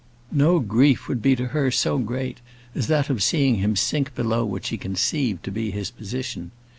No grief would be to her so great as that of seeing him sink below what she conceived to be his position.